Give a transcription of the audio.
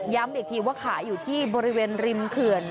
อีกทีว่าขายอยู่ที่บริเวณริมเขื่อน